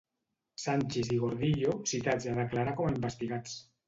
Sanchis i Gordillo citats a declarar com a investigats.